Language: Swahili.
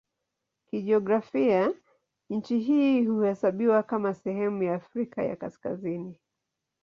Kijiografia nchi hii huhesabiwa kama sehemu ya Afrika ya Kaskazini.